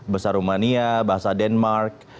bahasa rumania bahasa denmark